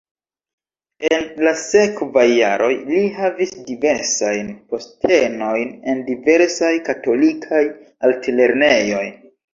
En la sekvaj jaroj li havis diversajn postenojn en diversaj katolikaj altlernejoj.